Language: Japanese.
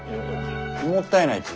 もったいないき。